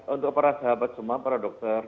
untuk para sahabat semua para dokter